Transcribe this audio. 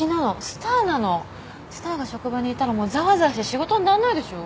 スターが職場にいたらもうざわざわして仕事になんないでしょ？